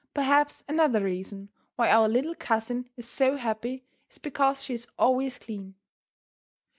Perhaps another reason why our little cousin is so happy is because she is always clean.